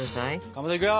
かまどいくよ！